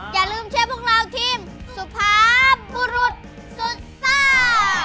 อย่าลืมเชียร์พวกเราทีมสุภาพบุรุษสุดซ่า